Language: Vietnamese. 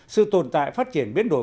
sự tồn tại phát triển biến đổi